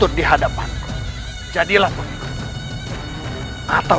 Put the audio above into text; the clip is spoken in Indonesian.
aku tidak akan menjadi raja bagi rakyatku